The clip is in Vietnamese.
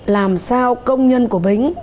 làm sao công nhân của bính